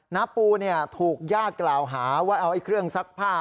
น้าปูถูกญาติกล่าวหาว่าเอาเครื่องซักผ้า